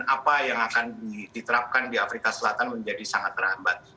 apa yang akan diterapkan di afrika selatan menjadi sangat terhambat